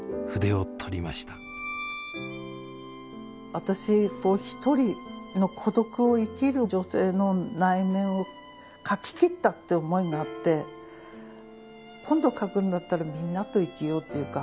私一人の孤独を生きる女性の内面を書き切ったって思いがあって今度書くんだったらみんなと生きようっていうか